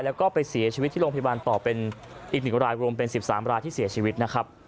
แล้วก็ไปเสียชีวิตที่โรงพยาบาลต่อเป็นอีก๑รายรวมเป็น๑๓รายที่เสียชีวิตนะครับ